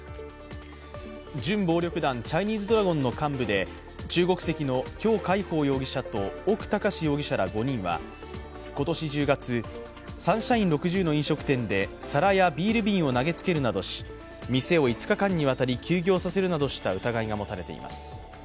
準暴力団チャイニーズドラゴンの幹部で中国籍の姜海鋒容疑者と屋高志容疑者ら５人は今年１０月、サンシャイン６０の飲食店で皿やビール瓶を投げつけるなどし店を５日間にわたり休業させるなどした疑いが持たれています。